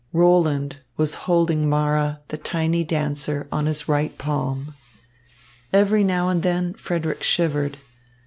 Roland was holding Mara, the tiny dancer, on his right palm. Every now and then Frederick shivered.